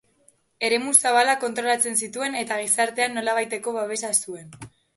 Eremu zabalak kontrolatzen zituen eta gizartean nolabaiteko babesa zuen.